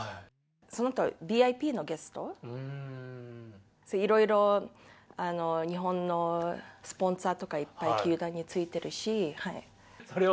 そのあとはＶＩＰのゲスト、いろいろ日本のスポンサーとかいっぱい球団についてるし。